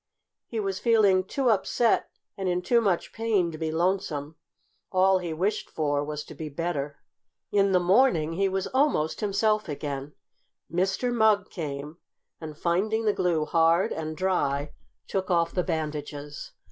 He was feeling too upset and in too much pain to be lonesome. All he wished for was to be better. In the morning he was almost himself again. Mr. Mugg came, and, finding the glue hard and dry, took off the bandages.